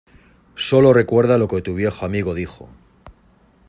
Sólo recuerda lo que tu viejo amigo dijo.